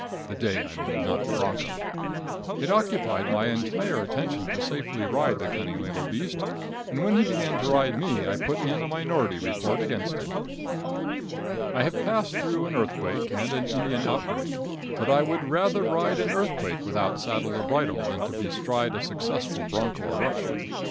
The day, I mean, not the broncho. It occupied my entire attention to safely ride the cunning little beast, and when he began to ride me I put in a minority report against it. I have passed through an earthquake and an Indian outbreak, but I would rather ride an earthquake without saddle or bridle than to bestride a successful broncho eruption.